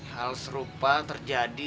hal serupa terjadi